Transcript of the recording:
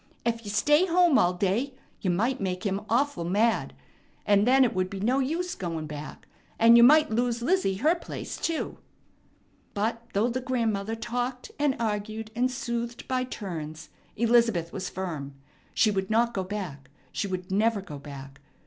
Ef you stay home all day, you might make him awful mad; and then it would be no use goin' back, and you might lose Lizzie her place too." But, though the grandmother talked and argued and soothed by turns, Elizabeth was firm. She would not go back. She would never go back.